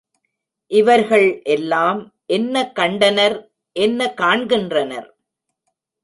இவர்கள் எல்லாம் என்ன கண்டனர் என்ன காண்கின்றனர்?